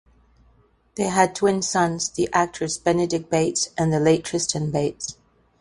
They had twin sons - the actors Benedick Bates and the late Tristan Bates.